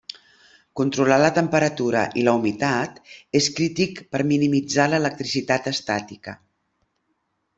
Controlar la temperatura i la humitat és crític per minimitzar l'electricitat estàtica.